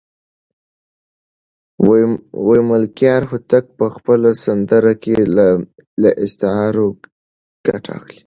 ملکیار هوتک په خپله سندره کې له استعارو ګټه اخلي.